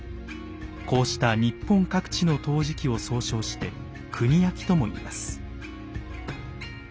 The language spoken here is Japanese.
こうした日本各地の陶磁器を総称して国焼とも言います。